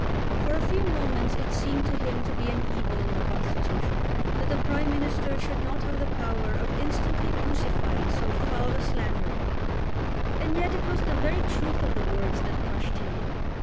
For a few moments it seemed to him to be an evil in the Constitution that the Prime Minister should not have the power of instantly crucifying so foul a slanderer; and yet it was the very truth of the words that crushed him.